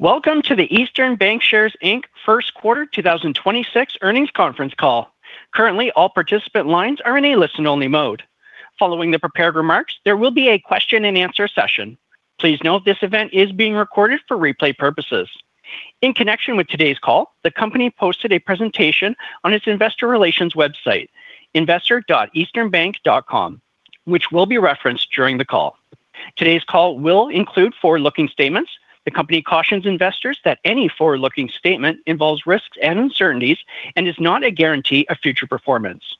Welcome to the Eastern Bankshares, Inc., first quarter 2026 earnings conference call. Currently, all participant lines are in a listen-only mode. Following the prepared remarks, there will be a question-and-answer session. Please note this event is being recorded for replay purposes. In connection with today's call, the company posted a presentation on its investor relations website, investor.easternbank.com, which will be referenced during the call. Today's call will include forward-looking statements. The company cautions investors that any forward-looking statement involves risks and uncertainties and is not a guarantee of future performance.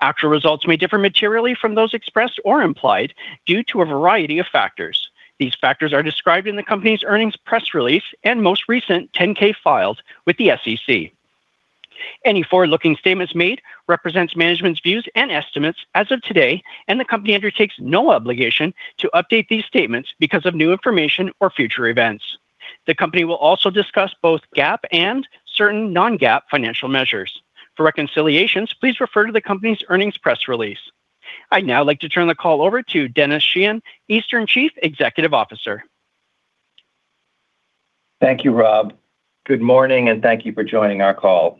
Actual results may differ materially from those expressed or implied due to a variety of factors. These factors are described in the company's earnings press release and most recent 10-K filed with the SEC. Any forward-looking statements made represents management's views and estimates as of today, and the company undertakes no obligation to update these statements because of new information or future events. The company will also discuss both GAAP and certain non-GAAP financial measures. For reconciliations, please refer to the company's earnings press release. I'd now like to turn the call over to Denis Sheahan, Eastern Chief Executive Officer. Thank you, Rob. Good morning, and thank you for joining our call.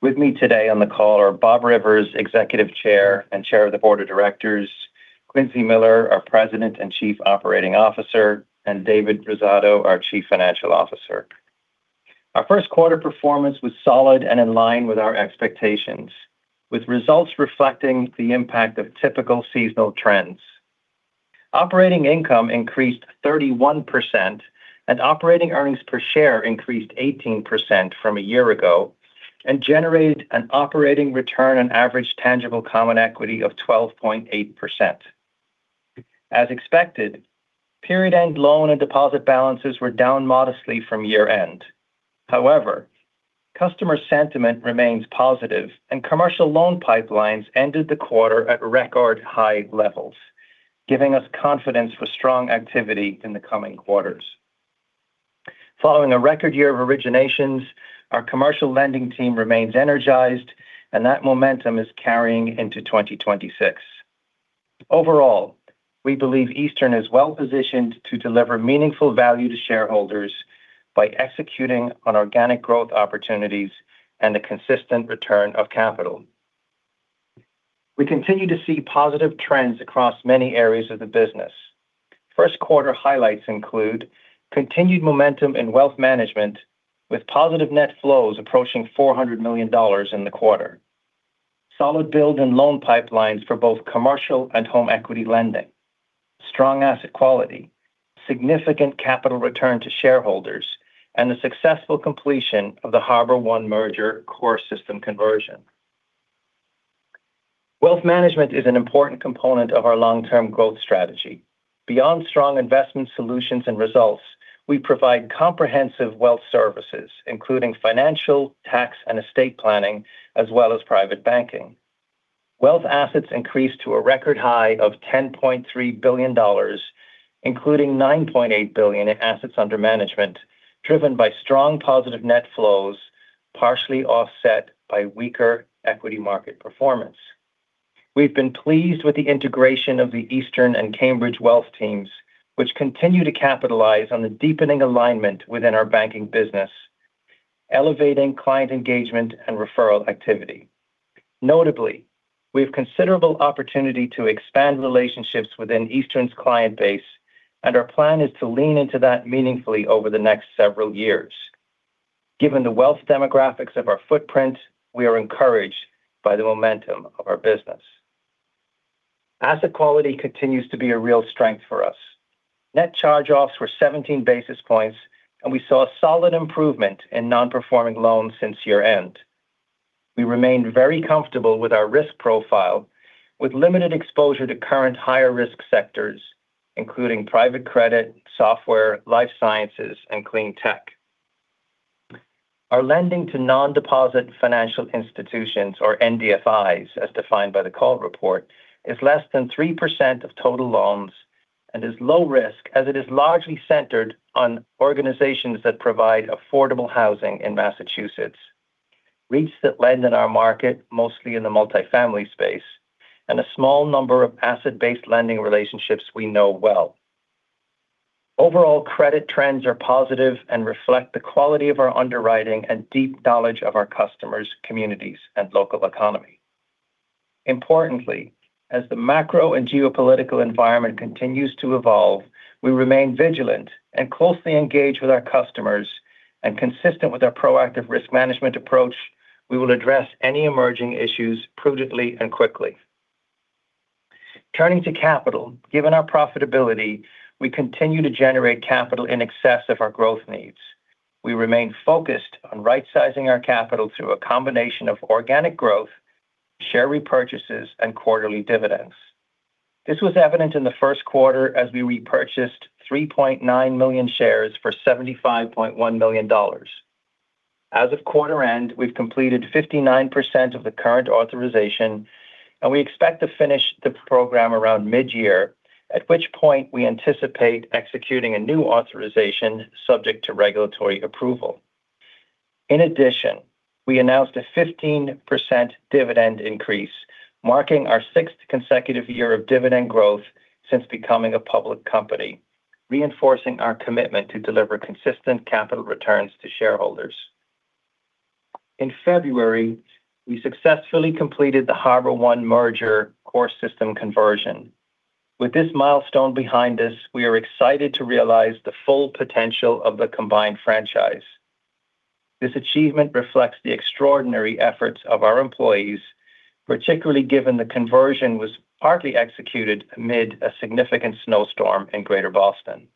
With me today on the call are Bob Rivers, Executive Chair and Chair of the Board of Directors, Quincy Miller, our President and Chief Operating Officer, and David Rosato, our Chief Financial Officer. Our first quarter performance was solid and in line with our expectations, with results reflecting the impact of typical seasonal trends. Operating income increased 31%, and operating earnings per share increased 18% from a year ago, and generated an operating return on average tangible common equity of 12.8%. As expected, period-end loan and deposit balances were down modestly from year-end. However, customer sentiment remains positive and commercial loan pipelines ended the quarter at record high levels, giving us confidence for strong activity in the coming quarters. Following a record year of originations, our commercial lending team remains energized and that momentum is carrying into 2026. Overall, we believe Eastern is well-positioned to deliver meaningful value to shareholders by executing on organic growth opportunities and the consistent return of capital. We continue to see positive trends across many areas of the business. First quarter highlights include continued momentum in wealth management with positive net flows approaching $400 million in the quarter, solid build in loan pipelines for both commercial and home equity lending, strong asset quality, significant capital return to shareholders, and the successful completion of the HarborOne merger core system conversion. Wealth management is an important component of our long-term growth strategy. Beyond strong investment solutions and results, we provide comprehensive wealth services, including financial, tax, and estate planning, as well as private banking. Wealth assets increased to a record high of $10.3 billion, including $9.8 billion in assets under management, driven by strong positive net flows, partially offset by weaker equity market performance. We've been pleased with the integration of the Eastern and Cambridge wealth teams, which continue to capitalize on the deepening alignment within our banking business, elevating client engagement and referral activity. Notably, we have considerable opportunity to expand relationships within Eastern's client base, and our plan is to lean into that meaningfully over the next several years. Given the wealth demographics of our footprint, we are encouraged by the momentum of our business. Asset quality continues to be a real strength for us. Net charge-offs were 17 basis points, and we saw a solid improvement in non-performing loans since year-end. We remain very comfortable with our risk profile, with limited exposure to current higher-risk sectors, including private credit, software, life sciences, and clean tech. Our lending to non-deposit financial institutions, or NDFIs, as defined by the call report, is less than 3% of total loans and is low risk, as it is largely centered on organizations that provide affordable housing in Massachusetts, REITs that lend in our market, mostly in the multifamily space, and a small number of asset-based lending relationships we know well. Overall credit trends are positive and reflect the quality of our underwriting and deep knowledge of our customers, communities, and local economy. Importantly, as the macro and geopolitical environment continues to evolve, we remain vigilant and closely engaged with our customers. Consistent with our proactive risk management approach, we will address any emerging issues prudently and quickly. Turning to capital, given our profitability, we continue to generate capital in excess of our growth needs. We remain focused on right-sizing our capital through a combination of organic growth, share repurchases, and quarterly dividends. This was evident in the first quarter as we repurchased 3.9 million shares for $75.1 million. As of quarter end, we've completed 59% of the current authorization and we expect to finish the program around mid-year, at which point we anticipate executing a new authorization subject to regulatory approval. In addition, we announced a 15% dividend increase, marking our sixth consecutive year of dividend growth since becoming a public company, reinforcing our commitment to deliver consistent capital returns to shareholders. In February, we successfully completed the HarborOne merger core system conversion. With this milestone behind us, we are excited to realize the full potential of the combined franchise. This achievement reflects the extraordinary efforts of our employees, particularly given the conversion was partly executed amid a significant snowstorm in Greater Boston.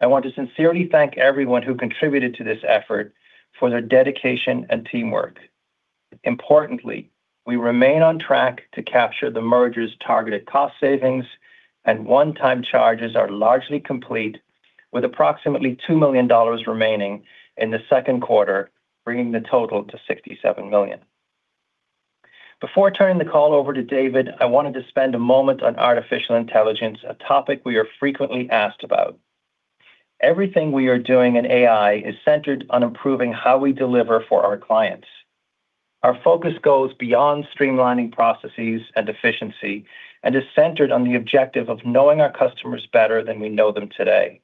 I want to sincerely thank everyone who contributed to this effort for their dedication and teamwork. Importantly, we remain on track to capture the merger's targeted cost savings, and one-time charges are largely complete, with approximately $2 million remaining in the second quarter, bringing the total to $67 million. Before turning the call over to David, I wanted to spend a moment on artificial intelligence, a topic we are frequently asked about. Everything we are doing in AI is centered on improving how we deliver for our clients. Our focus goes beyond streamlining processes and efficiency and is centered on the objective of knowing our customers better than we know them today.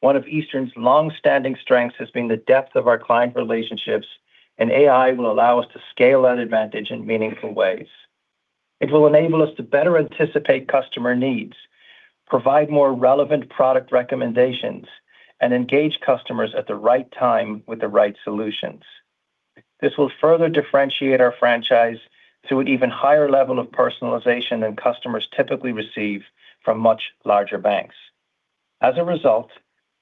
One of Eastern's longstanding strengths has been the depth of our client relationships, and AI will allow us to scale that advantage in meaningful ways. It will enable us to better anticipate customer needs, provide more relevant product recommendations, and engage customers at the right time with the right solutions. This will further differentiate our franchise through an even higher level of personalization than customers typically receive from much larger banks. As a result,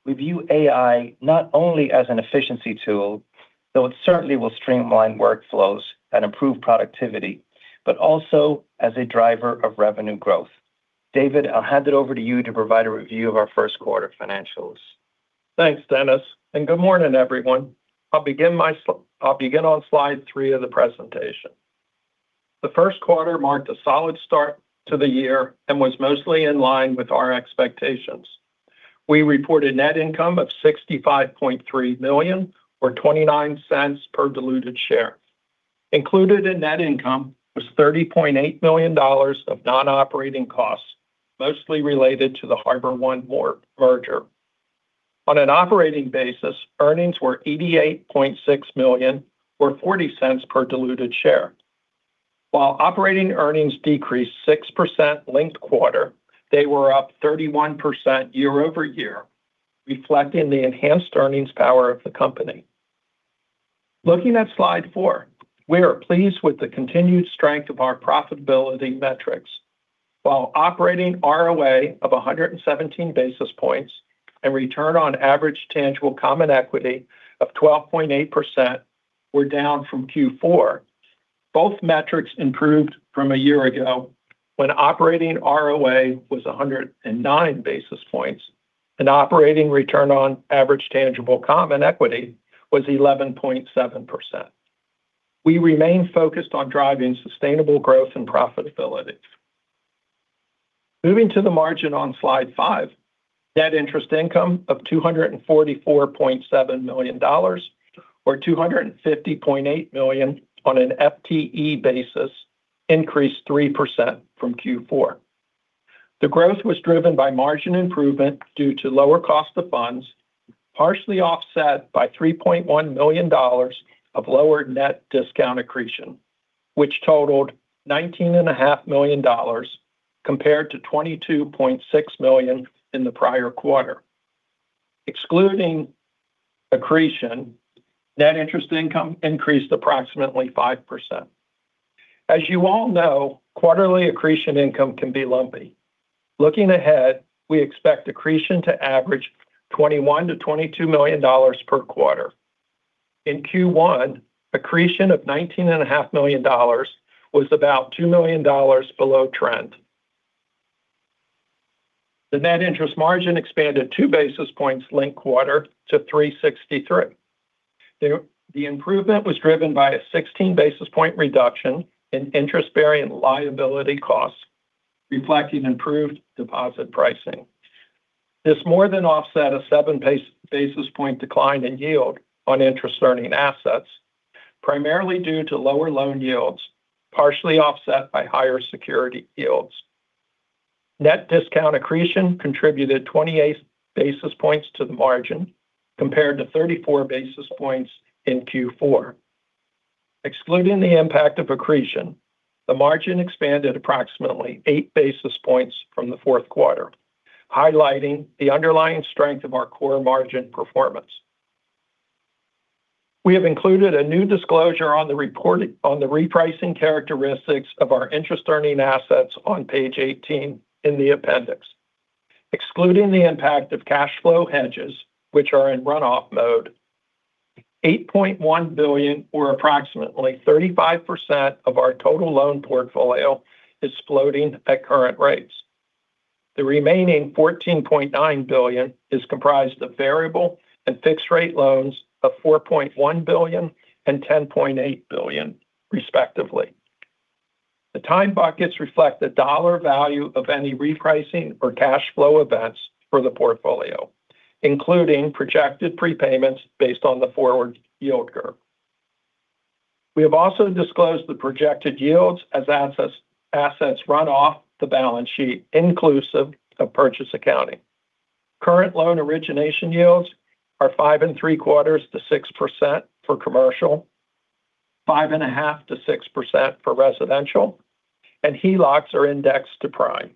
we view AI not only as an efficiency tool, though it certainly will streamline workflows and improve productivity, but also as a driver of revenue growth. David, I'll hand it over to you to provide a review of our first-quarter financials. Thanks, Denis, and good morning, everyone. I'll begin on slide three of the presentation. The first quarter marked a solid start to the year and was mostly in line with our expectations. We reported net income of $65.3 million, or $0.29 per diluted share. Included in net income was $30.8 million of non-operating costs, mostly related to the HarborOne merger. On an operating basis, earnings were $88.6 million, or $0.40 per diluted share. While operating earnings decreased 6% linked-quarter, they were up 31% year-over-year, reflecting the enhanced earnings power of the company. Looking at slide four, we are pleased with the continued strength of our profitability metrics. While operating ROA of 117 basis points and return on average tangible common equity of 12.8% were down from Q4, both metrics improved from a year ago, when operating ROA was 109 basis points, and operating return on average tangible common equity was 11.7%. We remain focused on driving sustainable growth and profitability. Moving to the margin on slide five. Net interest income of $244.7 million or $250.8 million on an FTE basis increased 3% from Q4. The growth was driven by margin improvement due to lower cost of funds, partially offset by $3.1 million of lower net discount accretion, which totaled $19.5 million compared to $22.6 million in the prior quarter. Excluding accretion, net interest income increased approximately 5%. As you all know, quarterly accretion income can be lumpy. Looking ahead, we expect accretion to average $21 million-$22 million per quarter. In Q1, accretion of $19.5 million was about $2 million below trend. The net interest margin expanded 2 basis points linked quarter to 363. The improvement was driven by a 16 basis point reduction in interest-bearing liability costs, reflecting improved deposit pricing. This more than offset a 7 basis point decline in yield on interest-earning assets, primarily due to lower loan yields, partially offset by higher security yields. Net discount accretion contributed 28 basis points to the margin, compared to 34 basis points in Q4. Excluding the impact of accretion, the margin expanded approximately 8 basis points from the fourth quarter, highlighting the underlying strength of our core margin performance. We have included a new disclosure on the repricing characteristics of our interest-earning assets on page 18 in the appendix. Excluding the impact of cash flow hedges, which are in runoff mode, $8.1 billion, or approximately 35% of our total loan portfolio, is floating at current rates. The remaining $14.9 billion is comprised of variable and fixed rate loans of $4.1 billion and $10.8 billion, respectively. The time buckets reflect the dollar value of any repricing or cash flow events for the portfolio, including projected prepayments based on the forward yield curve. We have also disclosed the projected yields as assets run off the balance sheet, inclusive of purchase accounting. Current loan origination yields are 5.75%-6% for commercial, 5.5%-6% for residential, and HELOCs are indexed to prime.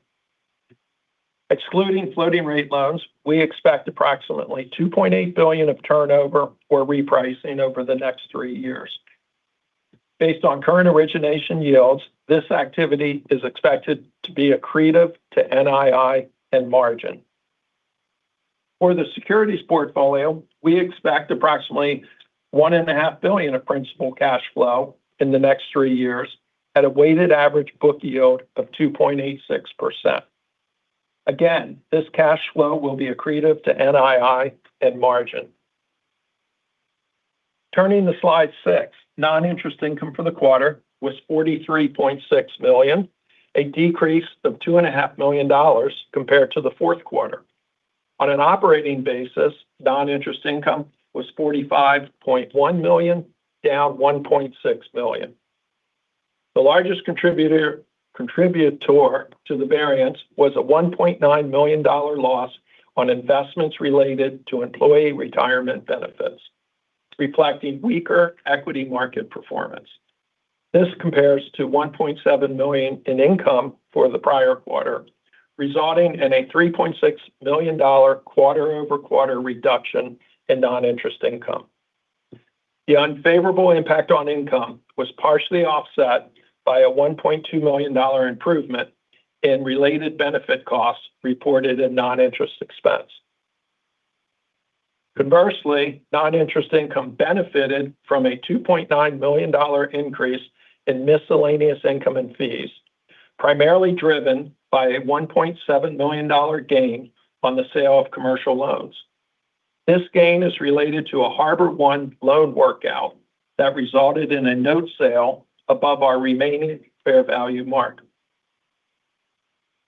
Excluding floating rate loans, we expect approximately $2.8 billion of turnover or repricing over the next three years. Based on current origination yields, this activity is expected to be accretive to NII and margin. For the securities portfolio, we expect approximately $1.5 billion of principal cash flow in the next three years at a weighted average book yield of 2.86%. Again, this cash flow will be accretive to NII and margin. Turning to slide six. Non-interest income for the quarter was $43.6 million, a decrease of $2.5 million compared to the fourth quarter. On an operating basis, non-interest income was $45.1 million, down $1.6 million. The largest contributor to the variance was a $1.9 million loss on investments related to employee retirement benefits, reflecting weaker equity market performance. This compares to $1.7 million in income for the prior quarter, resulting in a $3.6 million quarter-over-quarter reduction in non-interest income. The unfavorable impact on income was partially offset by a $1.2 million improvement in related benefit costs reported in non-interest expense. Conversely, non-interest income benefited from a $2.9 million increase in miscellaneous income and fees, primarily driven by a $1.7 million gain on the sale of commercial loans. This gain is related to a HarborOne loan workout that resulted in a note sale above our remaining fair value mark.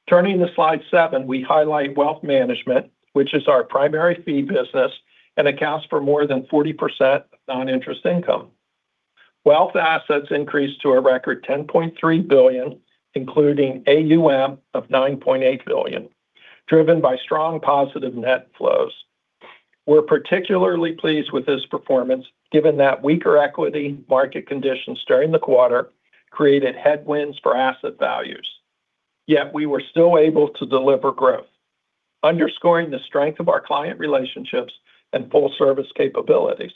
Turning to slide seven, we highlight wealth management, which is our primary fee business and accounts for more than 40% of non-interest income. Wealth assets increased to a record $10.3 billion, including AUM of $9.8 billion, driven by strong positive net flows. We're particularly pleased with this performance, given that weaker equity market conditions during the quarter created headwinds for asset values. Yet we were still able to deliver growth, underscoring the strength of our client relationships and full-service capabilities.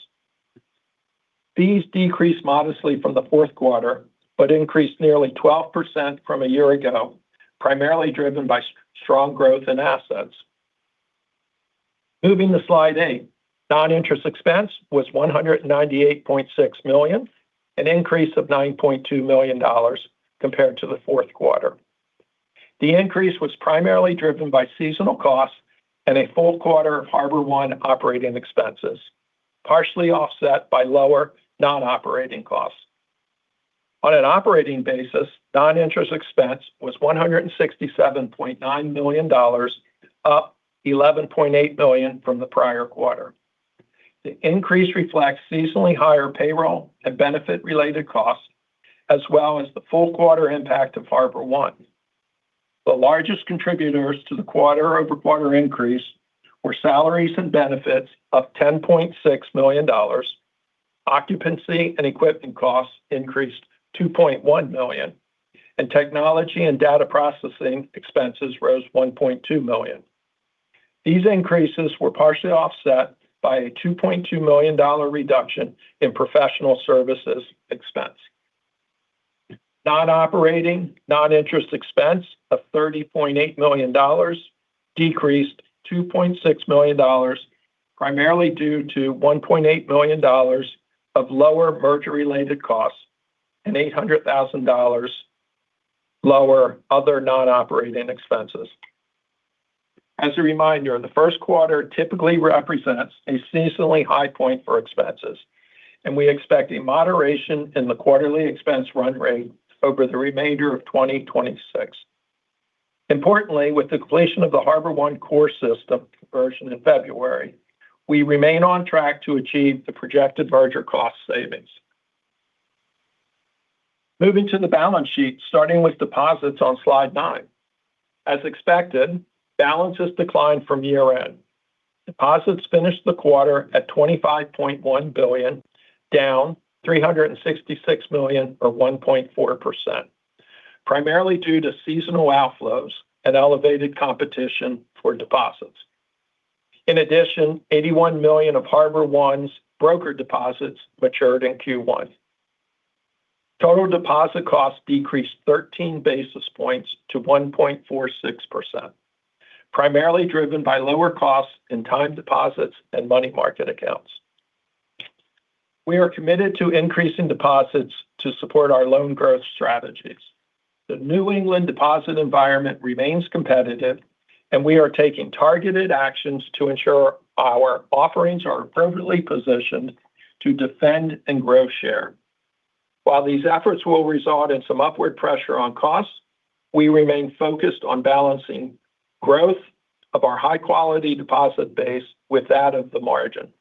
Fees decreased modestly from the fourth quarter but increased nearly 12% from a year ago, primarily driven by strong growth in assets. Moving to slide eight. Non-interest expense was $198.6 million, an increase of $9.2 million compared to the fourth quarter. The increase was primarily driven by seasonal costs and a full quarter of HarborOne operating expenses, partially offset by lower non-operating costs. On an operating basis, non-interest expense was $167.9 million, up $11.8 million from the prior quarter. The increase reflects seasonally higher payroll and benefit-related costs, as well as the full quarter impact of HarborOne. The largest contributors to the quarter-over-quarter increase were salaries and benefits, up $10.6 million. Occupancy and equipment costs increased $2.1 million, and technology and data processing expenses rose $1.2 million. These increases were partially offset by a $2.2 million reduction in professional services expense. Non-operating non-interest expense of $30.8 million decreased $2.6 million, primarily due to $1.8 million of lower merger-related costs and $800,000 lower other non-operating expenses. As a reminder, the first quarter typically represents a seasonally high point for expenses, and we expect a moderation in the quarterly expense run rate over the remainder of 2026. Importantly, with the completion of the HarborOne core system conversion in February, we remain on track to achieve the projected merger cost savings. Moving to the balance sheet, starting with deposits on slide nine. As expected, balances declined from year-end. Deposits finished the quarter at $25.1 billion, down $366 million or 1.4%, primarily due to seasonal outflows and elevated competition for deposits. In addition, $81 million of HarborOne's broker deposits matured in Q1. Total deposit costs decreased 13 basis points to 1.46%, primarily driven by lower costs in time deposits and money market accounts. We are committed to increasing deposits to support our loan growth strategies. The New England deposit environment remains competitive. We are taking targeted actions to ensure our offerings are appropriately positioned to defend and grow share. While these efforts will result in some upward pressure on costs, we remain focused on balancing growth of our high-quality deposit base with that of the margin.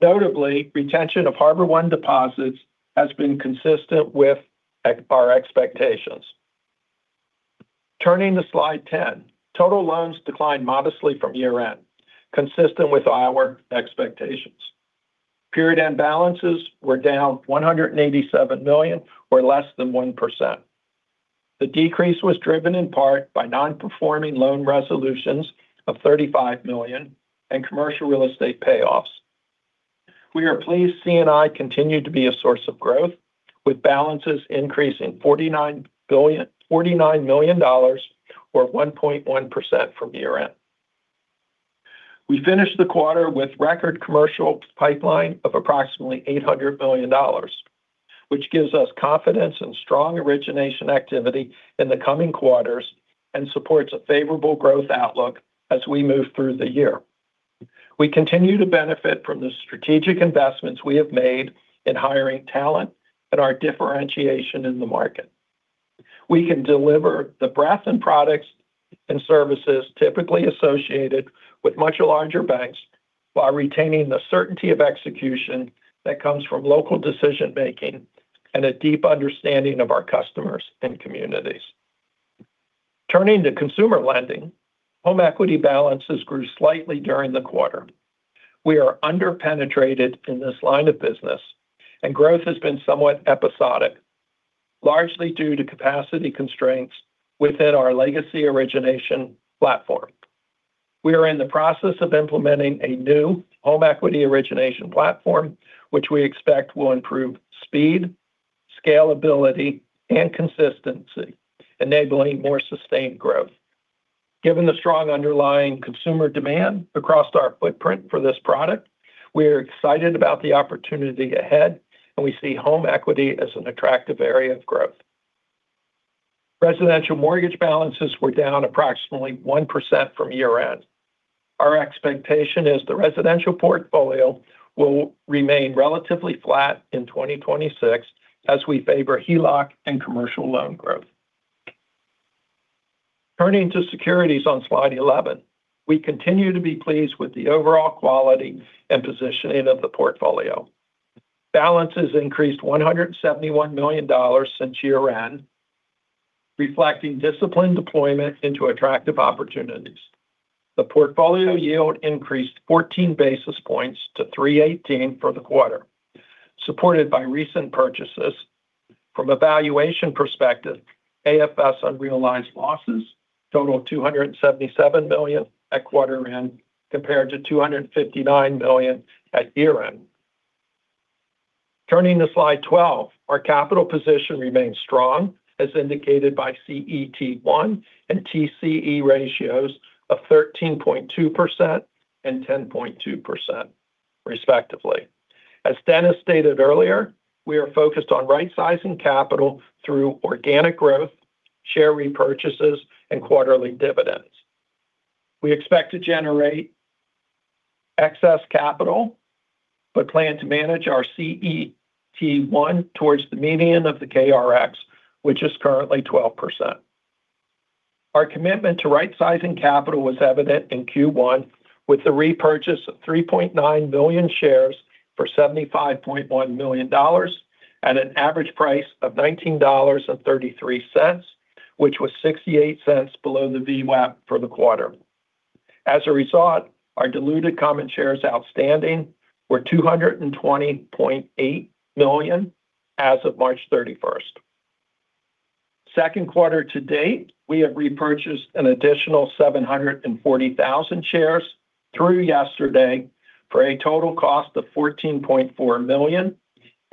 Notably, retention of HarborOne deposits has been consistent with our expectations. Turning to slide 10. Total loans declined modestly from year-end, consistent with our expectations. Period-end balances were down $187 million, or less than 1%. The decrease was driven in part by non-performing loan resolutions of $35 million and commercial real estate payoffs. We are pleased C&I continued to be a source of growth, with balances increasing $49 million, or 1.1% from year-end. We finished the quarter with record commercial pipeline of approximately $800 million, which gives us confidence in strong origination activity in the coming quarters and supports a favorable growth outlook as we move through the year. We continue to benefit from the strategic investments we have made in hiring talent and our differentiation in the market. We can deliver the breadth in products and services typically associated with much larger banks while retaining the certainty of execution that comes from local decision-making and a deep understanding of our customers and communities. Turning to consumer lending, home equity balances grew slightly during the quarter. We are under-penetrated in this line of business, and growth has been somewhat episodic, largely due to capacity constraints within our legacy origination platform. We are in the process of implementing a new home equity origination platform, which we expect will improve speed, scalability, and consistency, enabling more sustained growth. Given the strong underlying consumer demand across our footprint for this product, we are excited about the opportunity ahead, and we see home equity as an attractive area of growth. Residential mortgage balances were down approximately 1% from year-end. Our expectation is the residential portfolio will remain relatively flat in 2026 as we favor HELOC and commercial loan growth. Turning to securities on slide 11. We continue to be pleased with the overall quality and positioning of the portfolio. Balances increased $171 million since year-end, reflecting disciplined deployment into attractive opportunities. The portfolio yield increased 14 basis points to 318 for the quarter, supported by recent purchases. From a valuation perspective, AFS unrealized losses total $277 million at quarter end, compared to $259 million at year-end. Turning to slide 12. Our capital position remains strong, as indicated by CET1 and TCE ratios of 13.2% and 10.2%, respectively. As Denis stated earlier, we are focused on right-sizing capital through organic growth, share repurchases, and quarterly dividends. We expect to generate excess capital but plan to manage our CET1 towards the median of the KRX, which is currently 12%. Our commitment to right-sizing capital was evident in Q1 with the repurchase of 3.9 million shares for $75.1 million at an average price of $19.33, which was $0.68 below the VWAP for the quarter. As a result, our diluted common shares outstanding were 220.8 million as of March 31st. Second quarter to date, we have repurchased an additional 740,000 shares through yesterday for a total cost of $14.4 million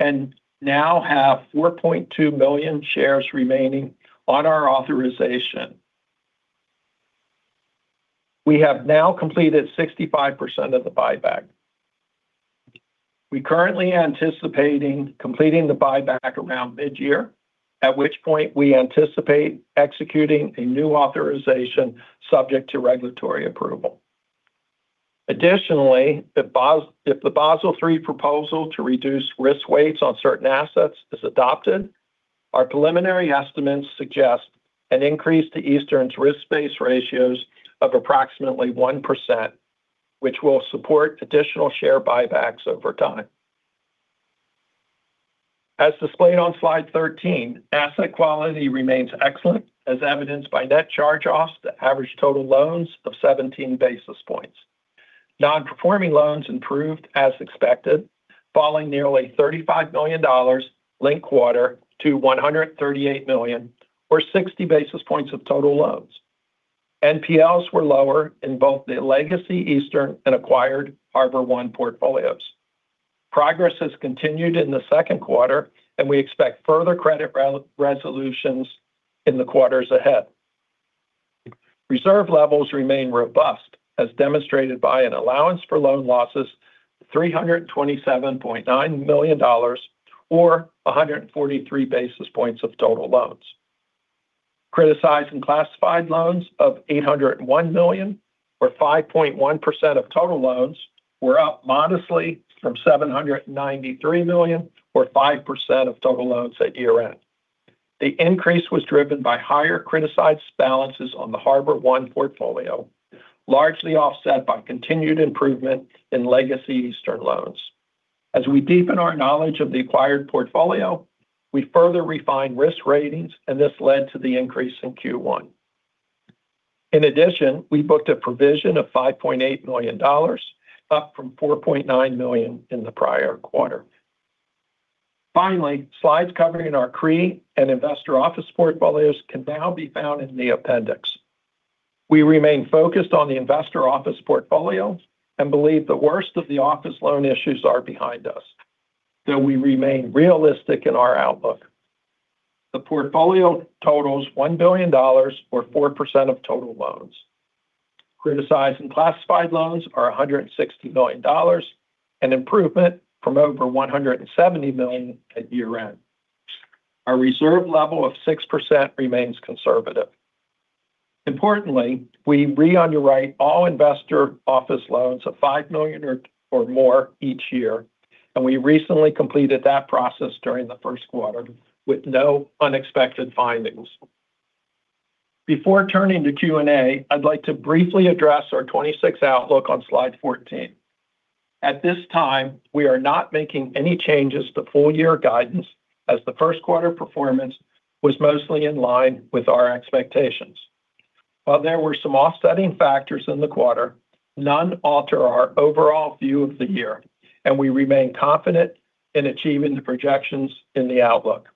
and now have 4.2 million shares remaining on our authorization. We have now completed 65% of the buyback. We're currently anticipating completing the buyback around mid-year, at which point we anticipate executing a new authorization subject to regulatory approval. Additionally, if the Basel III proposal to reduce risk weights on certain assets is adopted, our preliminary estimates suggest an increase to Eastern's risk base ratios of approximately 1%, which will support additional share buybacks over time. As displayed on slide 13, asset quality remains excellent, as evidenced by net charge-offs to average total loans of 17 basis points. Non-performing loans improved as expected, falling nearly $35 million linked-quarter to $138 million, or 60 basis points of total loans. NPLs were lower in both the legacy Eastern and acquired HarborOne portfolios. Progress has continued in the second quarter, and we expect further credit resolutions in the quarters ahead. Reserve levels remain robust, as demonstrated by an allowance for loan losses of $327.9 million or 143 basis points of total loans. Criticized and classified loans of $801 million or 5.1% of total loans were up modestly from $793 million or 5% of total loans at year-end. The increase was driven by higher criticized balances on the HarborOne portfolio, largely offset by continued improvement in legacy Eastern loans. As we deepen our knowledge of the acquired portfolio, we further refined risk ratings, and this led to the increase in Q1. In addition, we booked a provision of $5.8 million, up from $4.9 million in the prior quarter. Finally, slides covering our CRE and investor office portfolios can now be found in the appendix. We remain focused on the investor office portfolio and believe the worst of the office loan issues are behind us, though we remain realistic in our outlook. The portfolio totals $1 billion or 4% of total loans. Criticized and classified loans are $160 million, an improvement from over $170 million at year-end. Our reserve level of 6% remains conservative. Importantly, we re-underwrite all investor office loans of $5 million or more each year, and we recently completed that process during the first quarter with no unexpected findings. Before turning to Q&A, I'd like to briefly address our 2026 outlook on slide 14. At this time, we are not making any changes to full-year guidance as the first quarter performance was mostly in line with our expectations. While there were some offsetting factors in the quarter, none alter our overall view of the year, and we remain confident in achieving the projections in the outlook.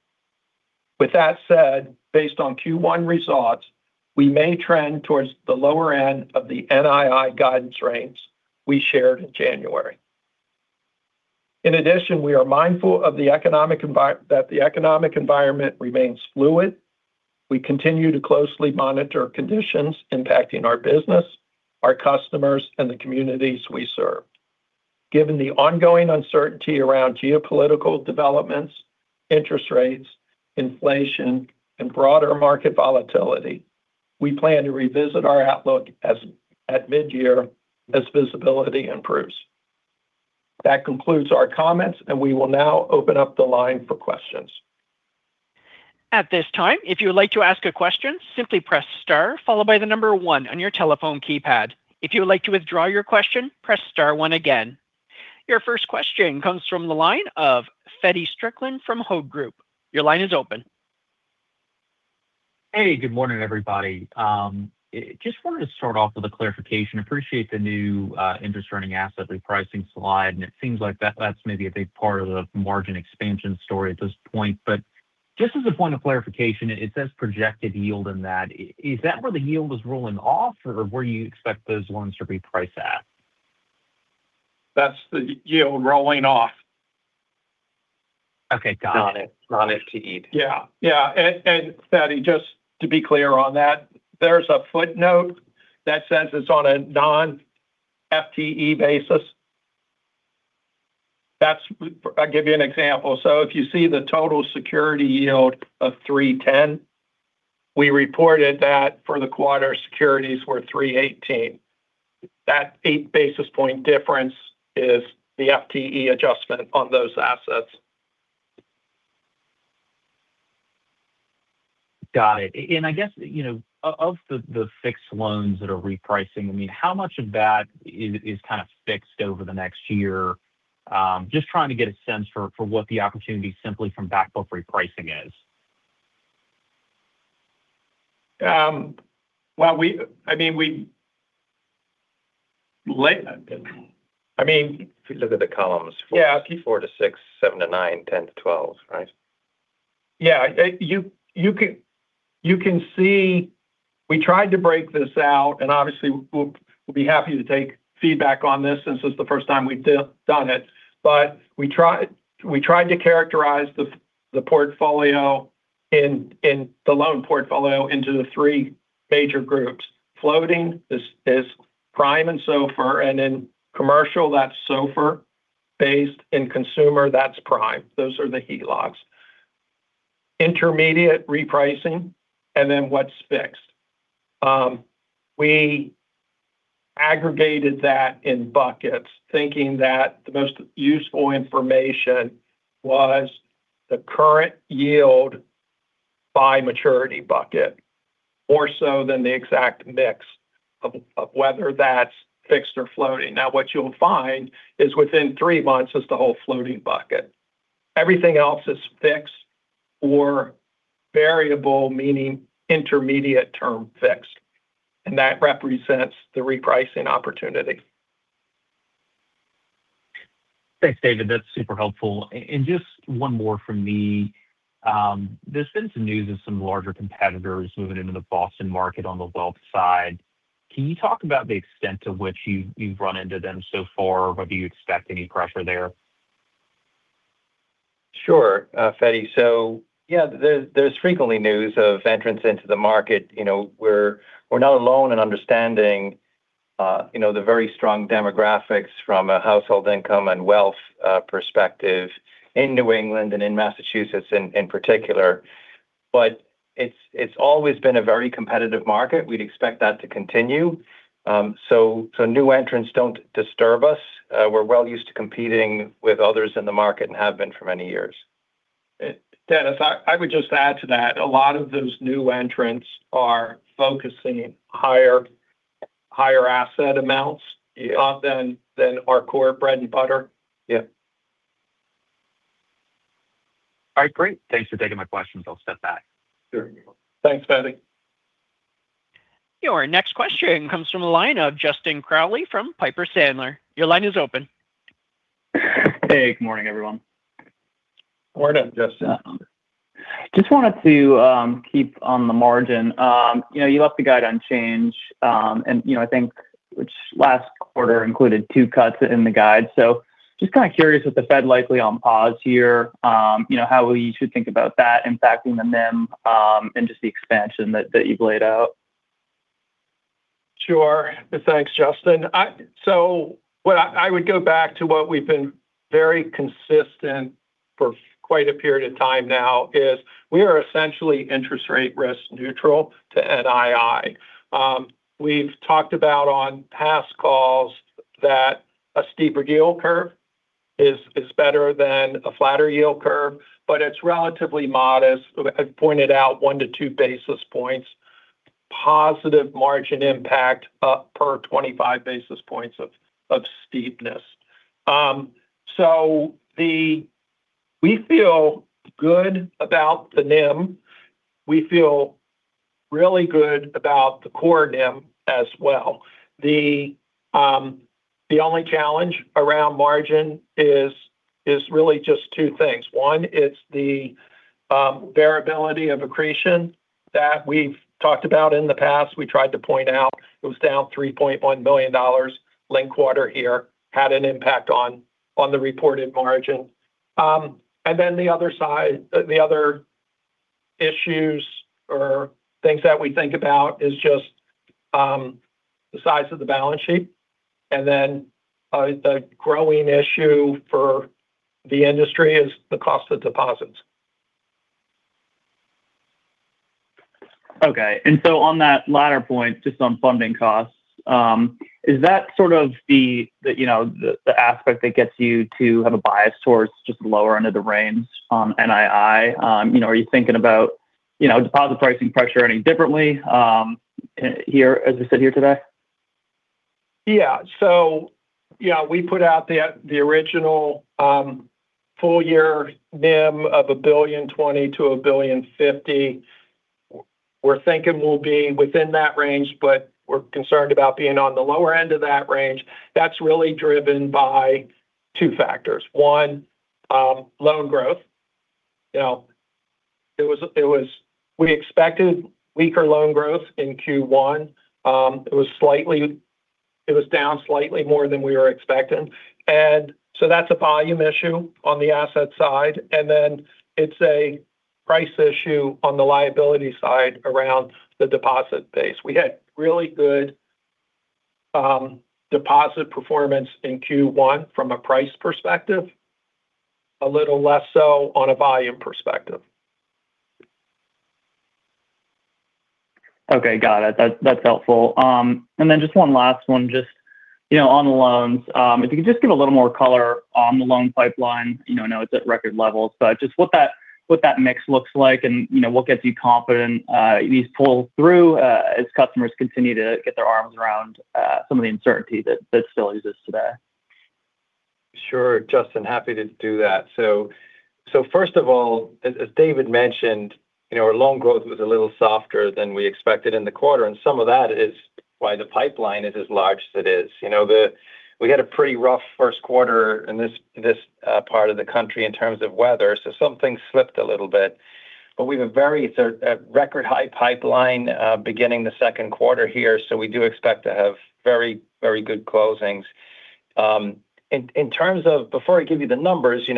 With that said, based on Q1 results, we may trend towards the lower end of the NII guidance range we shared in January. In addition, we are mindful that the economic environment remains fluid. We continue to closely monitor conditions impacting our business, our customers, and the communities we serve. Given the ongoing uncertainty around geopolitical developments, interest rates, inflation, and broader market volatility, we plan to revisit our outlook at mid-year as visibility improves. That concludes our comments, and we will now open up the line for questions. At this time, if you would like to ask a question, simply press star followed by the number one on your telephone keypad. If you would like to withdraw your question, press star one again. Your first question comes from the line of Feddie Strickland from Hovde Group. Your line is open. Hey, good morning, everybody. Just wanted to start off with a clarification. Appreciate the new interest-earning asset repricing slide, and it seems like that's maybe a big part of the margin expansion story at this point. Just as a point of clarification, it says projected yield in that. Is that where the yield is rolling off or where you expect those loans to reprice at? That's the yield rolling off. Okay. Got it. Non-FTE. Yeah. Feddie, just to be clear on that, there's a footnote that says it's on a non-FTE basis. I'll give you an example. If you see the total securities yield of 310, we reported that for the quarter, securities were 318. That 8 basis point difference is the FTE adjustment on those assets. Got it. I guess, of the fixed loans that are repricing, how much of that is kind of fixed over the next year? Just trying to get a sense for what the opportunity simply from back book repricing is. Well, we- If you look at the columns. Yeah 4-6, 7-9, 10-12, right? Yeah. You can see we tried to break this out, and obviously, we'll be happy to take feedback on this since it's the first time we've done it. We tried to characterize the loan portfolio into the three major groups. Floating is prime and SOFR, and then commercial, that's SOFR, and consumer, that's prime. Those are the HELOCs. Intermediate repricing, and then what's fixed. We aggregated that in buckets, thinking that the most useful information was the current yield by maturity bucket, more so than the exact mix of whether that's fixed or floating. Now, what you'll find is within three months is the whole floating bucket. Everything else is fixed or variable, meaning intermediate-term fixed, and that represents the repricing opportunity. Thanks, David. That's super helpful. Just one more from me. There's been some news of some larger competitors moving into the Boston market on the wealth side. Can you talk about the extent to which you've run into them so far? Do you expect any pressure there? Sure. Feddie, so yeah, there's frequently news of entrants into the market. We're not alone in understanding the very strong demographics from a household income and wealth perspective in New England and in Massachusetts in particular. It's always been a very competitive market. We'd expect that to continue. New entrants don't disturb us. We're well used to competing with others in the market and have been for many years. Denis, I would just add to that, a lot of those new entrants are focusing on higher asset amounts than our core bread and butter. Yeah. All right, great. Thanks for taking my questions. I'll step back. Sure. Thanks, Feddie. Your next question comes from the line of Justin Crowley from Piper Sandler. Your line is open. Hey, good morning, everyone. Morning, Justin. Just wanted to keep on the margin. You left the guide unchanged, and I think which last quarter included two cuts in the guide. Just kind of curious with the Fed likely on pause here, how we should think about that impacting the NIM and just the expansion that you've laid out. Sure. Thanks, Justin. What I would go back to what we've been very consistent for quite a period of time now is we are essentially interest rate risk neutral to NII. We've talked about on past calls that a steeper yield curve is better than a flatter yield curve, but it's relatively modest. I've pointed out 1-2 basis points positive margin impact up per 25 basis points of steepness. We feel good about the NIM. We feel really good about the core NIM as well. The only challenge around margin is really just two things. One is the variability of accretion that we've talked about in the past. We tried to point out it was down $3.1 million linked quarter here, had an impact on the reported margin. The other issues or things that we think about is just the size of the balance sheet. The growing issue for the industry is the cost of deposits. Okay. On that latter point, just on funding costs, is that sort of the aspect that gets you to have a bias towards just lower end of the range on NII? Are you thinking about deposit pricing pressure any differently as we sit here today? Yeah. We put out the original full-year NII of $1.020 billion-$1.050 billion. We're thinking we'll be within that range, but we're concerned about being on the lower end of that range. That's really driven by two factors. One, loan growth. We expected weaker loan growth in Q1. It was down slightly more than we were expecting. So that's a volume issue on the asset side. Then it's a price issue on the liability side around the deposit base. We had really good deposit performance in Q1 from a price perspective. A little less so on a volume perspective. Okay, got it. That's helpful. Just one last one, just on the loans. If you could just give a little more color on the loan pipeline. I know it's at record levels, but just what that mix looks like and what gets you confident these pull through as customers continue to get their arms around some of the uncertainty that still exists today. Sure, Justin. Happy to do that. First of all, as David mentioned, our loan growth was a little softer than we expected in the quarter, and some of that is why the pipeline is as large as it is. We had a pretty rough first quarter in this part of the country in terms of weather. Some things slipped a little bit. We have a very record high pipeline beginning the second quarter here. We do expect to have very good closings. In terms of, before I give you the numbers,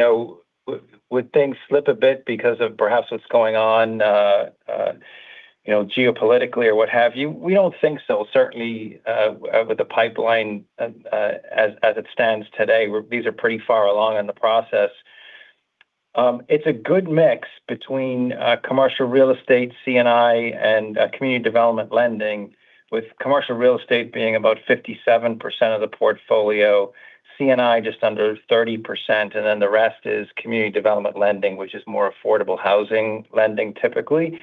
would things slip a bit because of perhaps what's going on geopolitically or what have you? We don't think so. Certainly, with the pipeline as it stands today, these are pretty far along in the process. It's a good mix between commercial real estate, C&I and community development lending, with commercial real estate being about 57% of the portfolio, C&I just under 30%, and then the rest is community development lending, which is more affordable housing lending typically.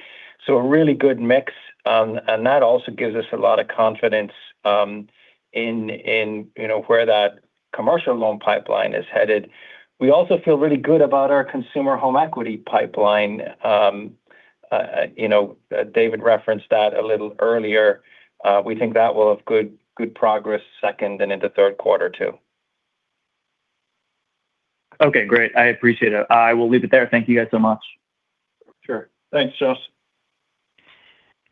A really good mix. That also gives us a lot of confidence in where that commercial loan pipeline is headed. We also feel really good about our consumer home equity pipeline. David referenced that a little earlier. We think that will have good progress second and into third quarter, too. Okay, great. I appreciate it. I will leave it there. Thank you, guys, so much. Sure. Thanks, Justin.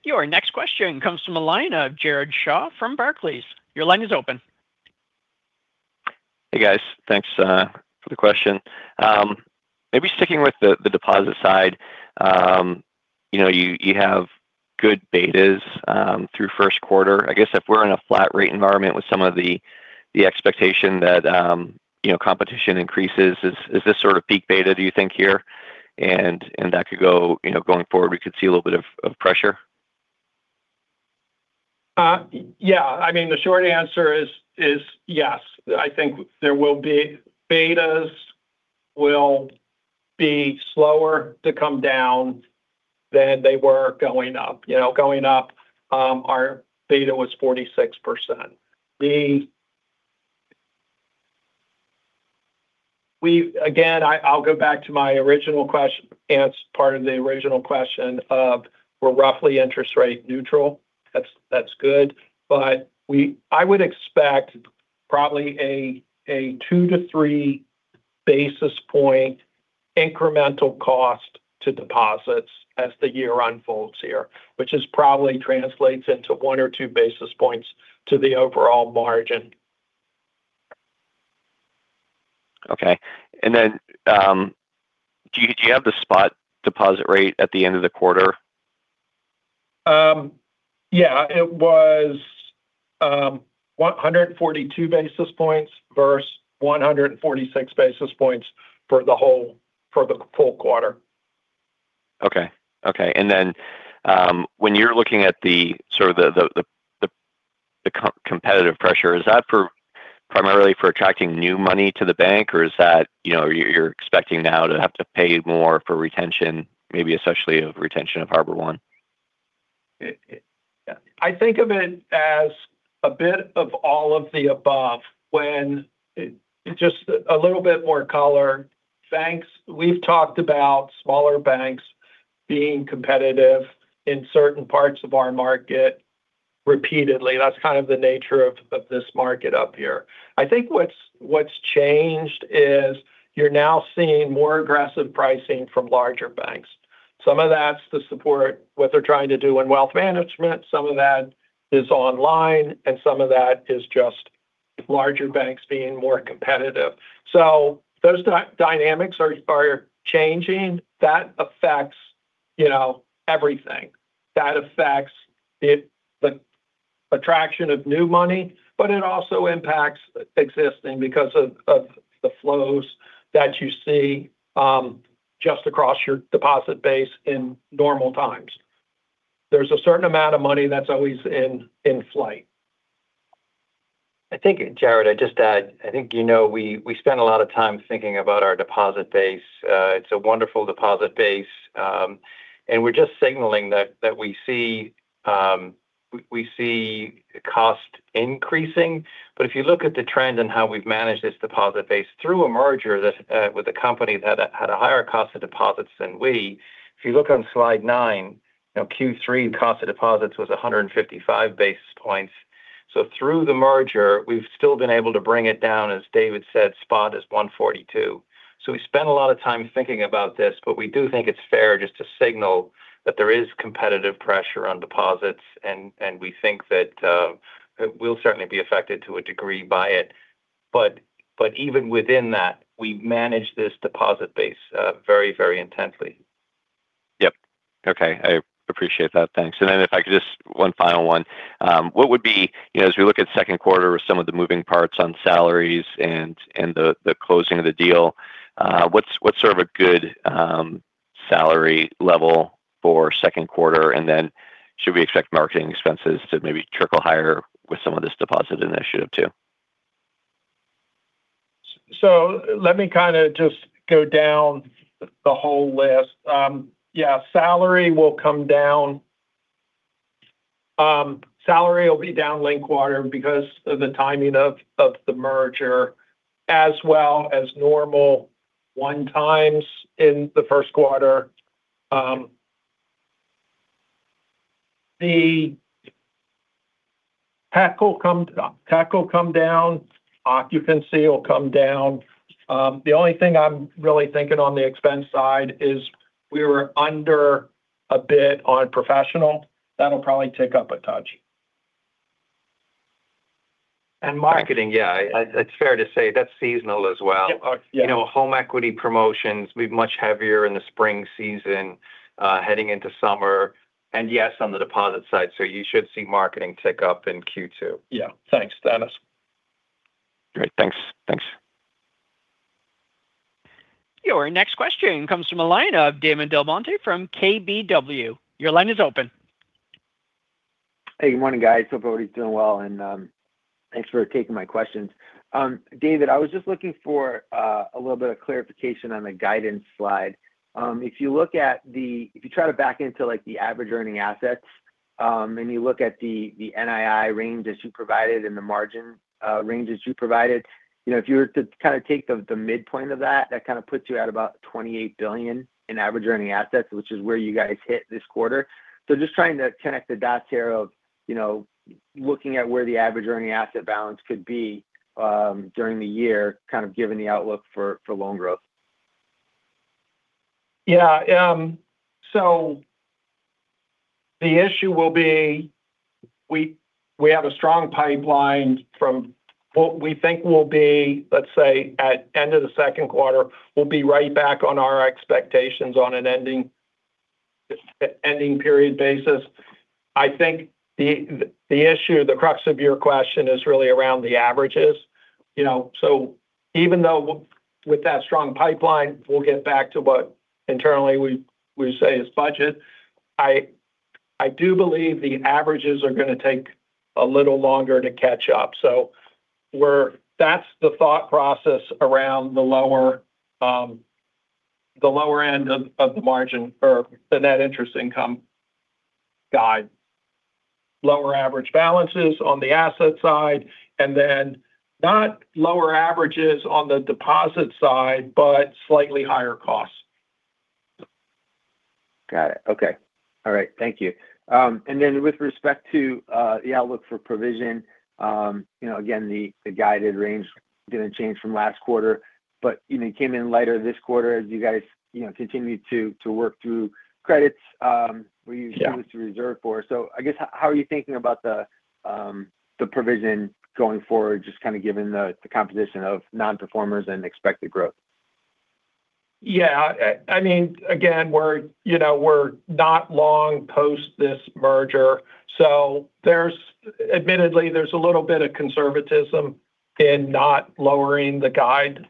Your next question comes from a line of Jared Shaw from Barclays. Your line is open. Hey, guys. Thanks for the question. Maybe sticking with the deposit side. You have good betas through first quarter. I guess if we're in a flat-rate environment with some of the expectation that competition increases, is this sort of peak beta, do you think here, and that going forward we could see a little bit of pressure? Yeah. The short answer is yes. I think betas will be slower to come down than they were going up. Going up our beta was 46%. Again, I'll go back to my original answer, part of the original question of we're roughly interest rate neutral. That's good. But I would expect probably a 2-3 basis points incremental cost to deposits as the year unfolds here, which probably translates into 1-2 basis points to the overall margin. Okay. Do you have the spot deposit rate at the end of the quarter? Yeah. It was 142 basis points versus 146 basis points for the full quarter. Okay. When you're looking at the sort of the competitive pressure, is that primarily for attracting new money to the bank, or you're expecting now to have to pay more for retention, maybe especially of retention of HarborOne? I think of it as a bit of all of the above. Just a little bit more color. We've talked about smaller banks being competitive in certain parts of our market repeatedly. That's kind of the nature of this market up here. I think what's changed is you're now seeing more aggressive pricing from larger banks. Some of that's to support what they're trying to do in wealth management, some of that is online, and some of that is just larger banks being more competitive. So those dynamics are changing. That affects everything. That affects the attraction of new money, but it also impacts existing because of the flows that you see just across your deposit base in normal times. There's a certain amount of money that's always in flight. I think, Jared, I'd just add, I think you know we spend a lot of time thinking about our deposit base. It's a wonderful deposit base. We're just signaling that we see cost increasing. If you look at the trends and how we've managed this deposit base through a merger with a company that had a higher cost of deposits than we. If you look on slide nine, Q3 cost of deposits was 155 basis points. Through the merger, we've still been able to bring it down, as David said, spot is 142. We spend a lot of time thinking about this, but we do think it's fair just to signal that there is competitive pressure on deposits, and we think that it will certainly be affected to a degree by it. Even within that, we manage this deposit base very intensely. Yep. Okay. I appreciate that. Thanks. If I could just one final one. As we look at second quarter with some of the moving parts on salaries and the closing of the deal, what's sort of a good salary level for second quarter? Should we expect marketing expenses to maybe trickle higher with some of this deposit initiative, too? Let me kind of just go down the whole list. Yeah, salary will come down. Salary will be downlinked quarter because of the timing of the merger, as well as normal one times in the first quarter. Tech will come down, occupancy will come down. The only thing I'm really thinking on the expense side is we were under a bit on professional. That'll probably tick up a touch. Marketing, yeah, it's fair to say that's seasonal as well. Yep. Home equity promotions will be much heavier in the spring season heading into summer. Yes, on the deposit side, so you should see marketing tick up in Q2. Yeah. Thanks, Denis. Great. Thanks. Your next question comes from the line of Damon DelMonte from KBW. Your line is open. Hey, good morning, guys. Hope everybody's doing well, and thanks for taking my questions. David, I was just looking for a little bit of clarification on the guidance slide. If you try to back into the average earning assets, and you look at the NII range that you provided and the margin ranges you provided, if you were to kind of take the midpoint of that, kind of puts you at about $28 billion in average earning assets, which is where you guys hit this quarter. Just trying to connect the dots here of looking at where the average earning asset balance could be during the year, kind of given the outlook for loan growth. Yeah. The issue will be we have a strong pipeline from what we think will be, let's say, at end of the second quarter, we'll be right back on our expectations on an ending period basis. I think the crux of your question is really around the averages. Even though with that strong pipeline, we'll get back to what internally we say is budget. I do believe the averages are going to take a little longer to catch up. That's the thought process around the lower end of the margin for the net interest income guide. Lower average balances on the asset side, and then not lower averages on the deposit side, but slightly higher costs. Got it. Okay. All right. Thank you. With respect to the outlook for provision, again, the guided range didn't change from last quarter, but it came in lighter this quarter as you guys continued to work through credits. Yeah Where you choose to reserve for, I guess, how are you thinking about the provision going forward, just kind of given the composition of non-performers and expected growth? Yeah. Again, we're not long post this merger, so admittedly, there's a little bit of conservatism in not lowering the guide.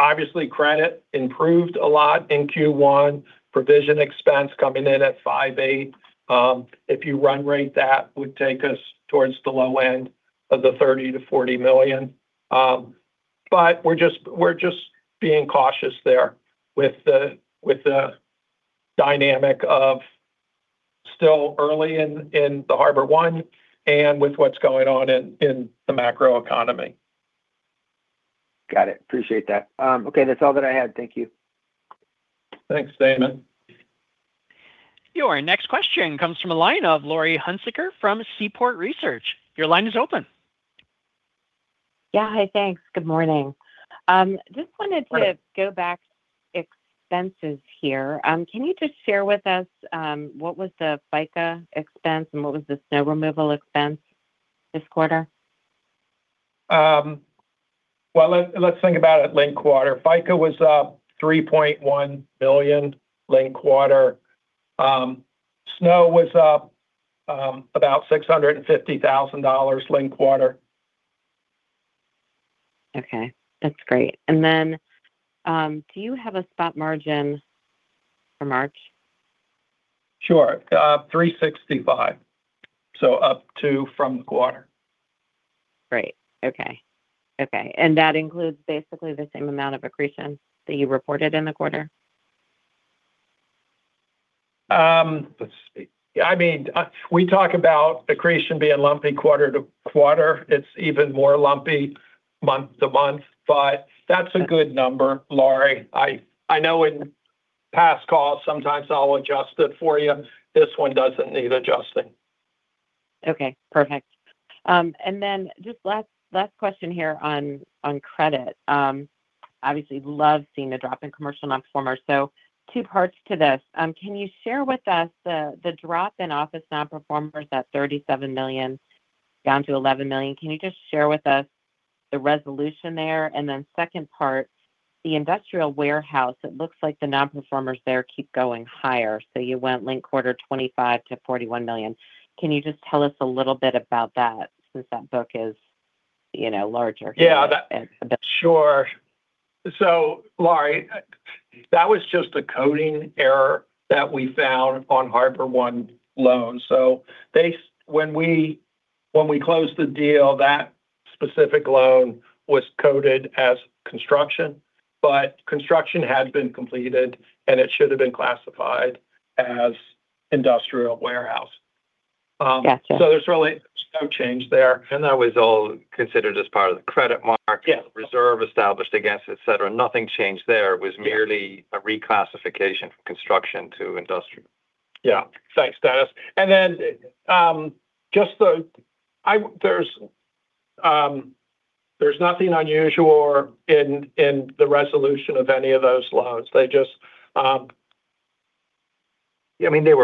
Obviously, credit improved a lot in Q1, provision expense coming in at $5.8. If you run rate, that would take us towards the low end of the $30 million-$40 million. We're just being cautious there with the dynamic of still early in the HarborOne and with what's going on in the macro economy. Got it. Appreciate that. Okay, that's all that I had. Thank you. Thanks, Damon. Your next question comes from the line of Laurie Hunsicker from Seaport Research. Your line is open. Yeah. Hi, thanks. Good morning. Morning. Just wanted to go back to expenses here. Can you just share with us what was the FICA expense and what was the snow removal expense this quarter? Well, let's think about it linked quarter. Deposits was up $3.1 billion linked quarter. Loans was up about $650,000 linked quarter. Okay. That's great. Do you have a spot margin for March? Sure. 365. Up two from the quarter. Great. Okay. That includes basically the same amount of accretion that you reported in the quarter? Let's see. We talk about accretion being lumpy quarter-to-quarter. It's even more lumpy month-to-month, but that's a good number, Laurie. I know in past calls, sometimes I'll adjust it for you. This one doesn't need adjusting. Okay, perfect. Then just last question here on credit. Obviously, love seeing the drop in commercial nonperformers. Two parts to this. Can you share with us the drop in office nonperformers at $37 million down to $11 million? Can you just share with us the resolution there? Then second part, the industrial warehouse, it looks like the nonperformers there keep going higher. You went linked quarter $25 million-$41 million. Can you just tell us a little bit about that, since that book is larger? Yeah. Sure. Laurie, that was just a coding error that we found on HarborOne loans. When we closed the deal, that specific loan was coded as construction, but construction had been completed, and it should have been classified as industrial warehouse. Got you. There's really no change there. That was all considered as part of the credit mark. Yeah. Reserve established against, et cetera. Nothing changed there. It was merely a reclassification from construction to industrial. Yeah. Thanks, Denis. There's nothing unusual in the resolution of any of those loans. They just. Yeah. They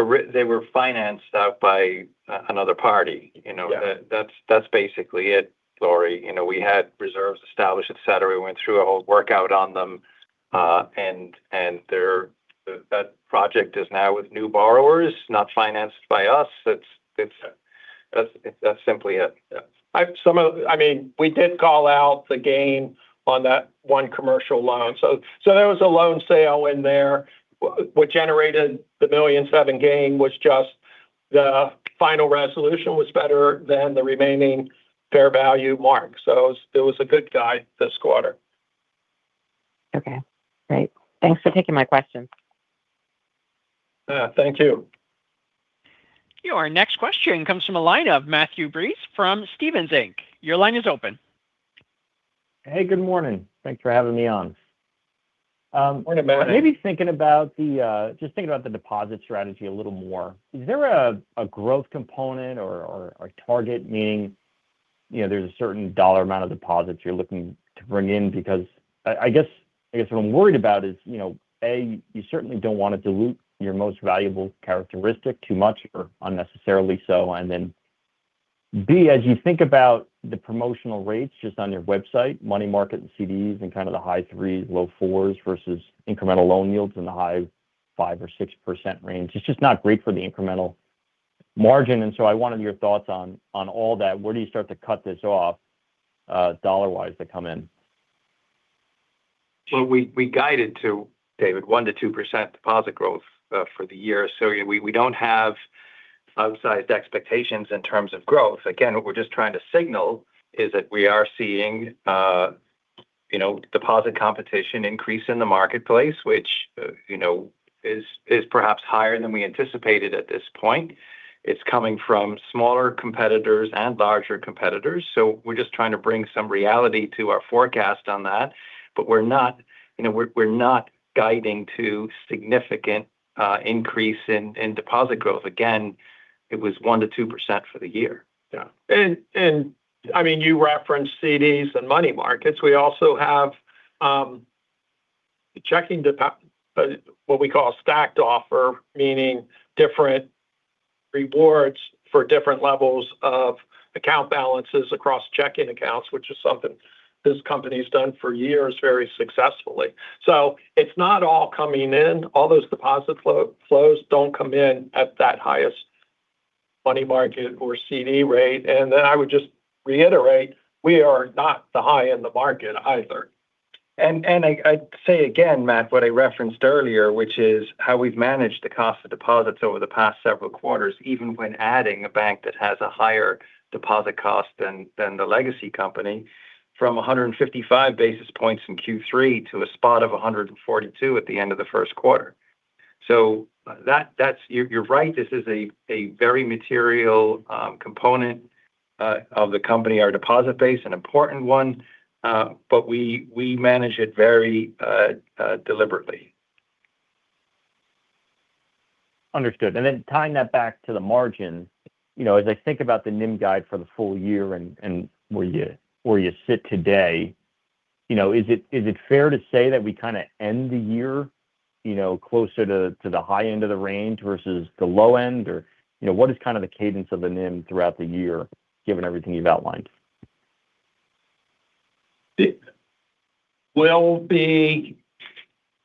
were financed out by another party. Yeah. That's basically it, Laurie. We had reserves established, et cetera. We went through a whole workout on them. That project is now with new borrowers, not financed by us. That's simply it. Yeah. We did call out the gain on that one commercial loan. There was a loan sale in there. What generated the $1.7 million gain was just the final resolution better than the remaining fair value mark. It was a good guide this quarter. Okay, great. Thanks for taking my questions. Yeah, thank you. Your next question comes from a line of Matthew Breese from Stephens Inc. Your line is open. Hey, good morning. Thanks for having me on. Morning, Matthew. Maybe just thinking about the deposit strategy a little more, is there a growth component or a target, meaning there's a certain dollar amount of deposits you're looking to bring in, because I guess what I'm worried about is, A, you certainly don't want to dilute your most valuable characteristic too much or unnecessarily so. B, as you think about the promotional rates just on your website, money market and CDs and kind of the high 3s, low 4s versus incremental loan yields in the high 5% or 6% range, it's just not great for the incremental margin. I wanted your thoughts on all that. Where do you start to cut this off dollar-wise to come in? Well, we guided to David, 1%-2% deposit growth for the year. We don't have outsized expectations in terms of growth. Again, what we're just trying to signal is that we are seeing deposit competition increase in the marketplace, which is perhaps higher than we anticipated at this point. It's coming from smaller competitors and larger competitors. We're just trying to bring some reality to our forecast on that. We're not guiding to significant increase in deposit growth. Again, it was 1%-2% for the year. Yeah. You referenced CDs and money markets. We also have what we call a stacked offer, meaning different rewards for different levels of account balances across checking accounts, which is something this company's done for years very successfully. It's not all coming in. All those deposit flows don't come in at that highest money market or CD rate. Then I would just reiterate, we are not the high in the market either. I'd say again, Matt, what I referenced earlier, which is how we've managed the cost of deposits over the past several quarters, even when adding a bank that has a higher deposit cost than the legacy company, from 155 basis points in Q3 to a spot of 142 at the end of the first quarter. You're right, this is a very material component of the company, our deposit base, an important one. We manage it very deliberately. Understood. Tying that back to the margin, as I think about the NIM guide for the full year and where you sit today, is it fair to say that we kind of end the year closer to the high end of the range versus the low end? Or what is kind of the cadence of the NIM throughout the year, given everything you've outlined? It will be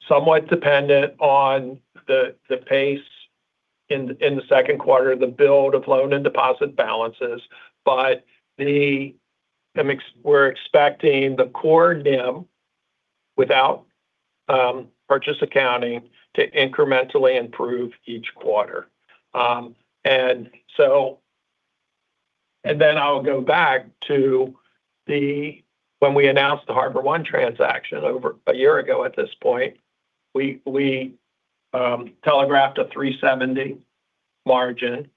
somewhat dependent on the pace in the second quarter, the build of loan and deposit balances. We're expecting the core NIM without purchase accounting to incrementally improve each quarter. Then I'll go back to when we announced the HarborOne transaction over a year ago at this point. We telegraphed a 370 margin.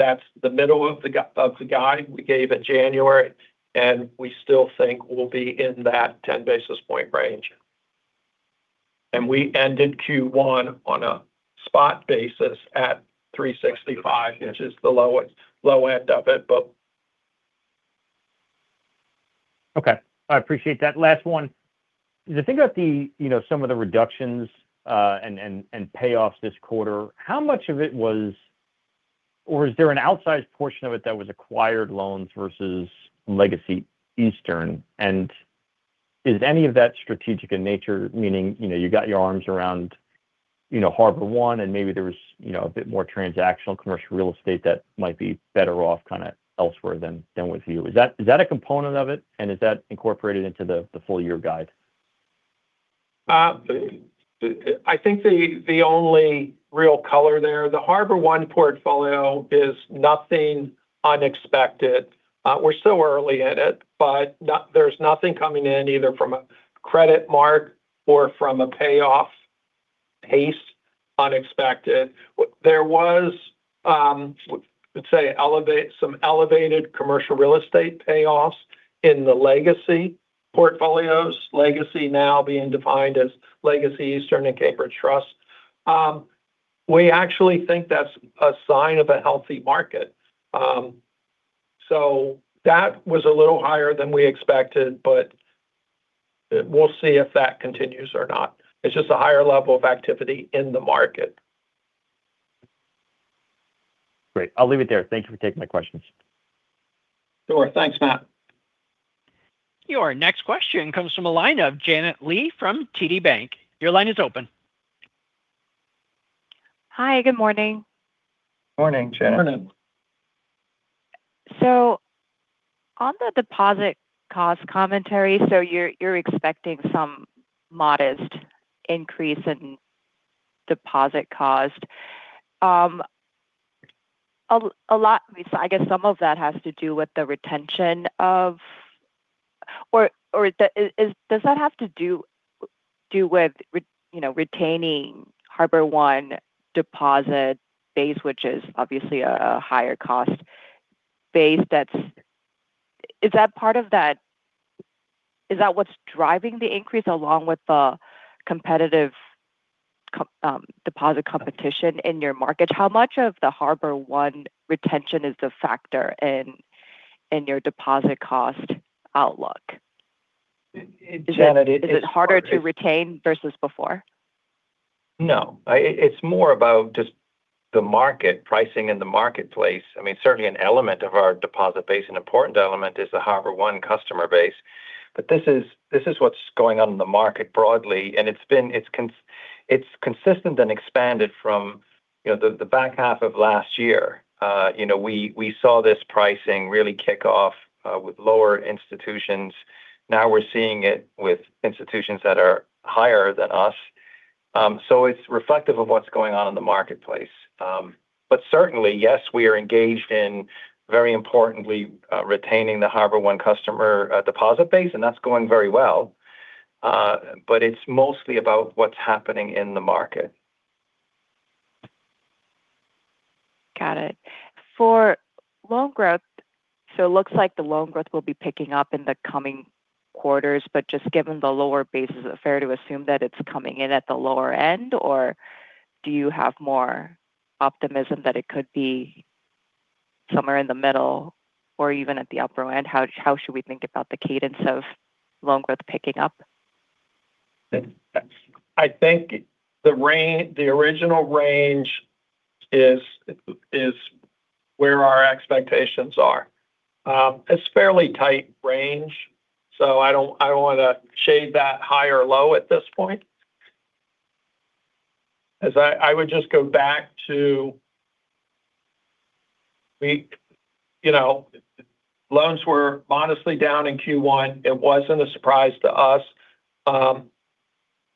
That's the middle of the guide we gave in January, and we still think we'll be in that 10 basis point range. We ended Q1 on a spot basis at 365, which is the low end of it. Okay. I appreciate that. Last one. As I think about some of the reductions and payoffs this quarter, how much of it was or is there an outsized portion of it that was acquired loans versus legacy Eastern? Is any of that strategic in nature, meaning, you got your arms around HarborOne, and maybe there was a bit more transactional commercial real estate that might be better off elsewhere than with you? Is that a component of it? Is that incorporated into the full-year guide? I think the only real color there, the HarborOne portfolio, is nothing unexpected. We're still early in it, but there's nothing coming in either from a credit mark or from a payoff pace unexpected. There was, let's say, some elevated commercial real estate payoffs in the legacy portfolios. Legacy now being defined as Legacy, Eastern, and Cambridge Trust. We actually think that's a sign of a healthy market. That was a little higher than we expected, but we'll see if that continues or not. It's just a higher level of activity in the market. Great. I'll leave it there. Thank you for taking my questions. Sure. Thanks, Matt. Your next question comes from the line of Janet Lee from TD Bank. Your line is open. Hi. Good morning. Morning, Janet. Morning. On the deposit cost commentary, so you're expecting some modest increase in deposit cost. I guess some of that has to do with retaining HarborOne deposit base, which is obviously a higher cost base. Is that part of that? Is that what's driving the increase, along with the deposit competition in your market? How much of the HarborOne retention is the factor in your deposit cost outlook? Janet. Is it harder to retain versus before? No. It's more about just the market, pricing in the marketplace. Certainly, an element of our deposit base, an important element is the HarborOne customer base, but this is what's going on in the market broadly, and it's consistent and expanded from the back half of last year. We saw this pricing really kick off with lower institutions. Now we're seeing it with institutions that are higher than us. It's reflective of what's going on in the marketplace. Certainly, yes, we are engaged in very importantly, retaining the HarborOne customer deposit base, and that's going very well. It's mostly about what's happening in the market. Got it. For loan growth, it looks like the loan growth will be picking up in the coming quarters, but just given the lower base, is it fair to assume that it's coming in at the lower end, or do you have more optimism that it could be somewhere in the middle or even at the upper end? How should we think about the cadence of loan growth picking up? I think the original range is where our expectations are. It's fairly tight range, so I don't want to shade that high or low at this point. I would just go back to loans were modestly down in Q1. It wasn't a surprise to us.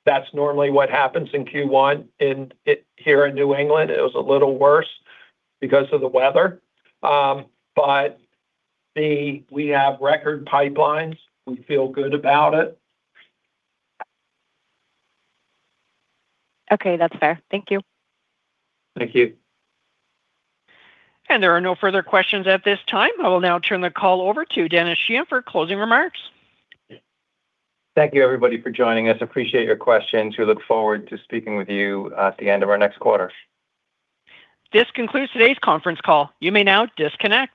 That's normally what happens in Q1 here in New England. It was a little worse because of the weather. We have record pipelines. We feel good about it. Okay, that's fair. Thank you. Thank you. There are no further questions at this time. I will now turn the call over to Denis Sheahan for closing remarks. Thank you, everybody, for joining us. Appreciate your questions. We look forward to speaking with you at the end of our next quarter. This concludes today's conference call. You may now disconnect.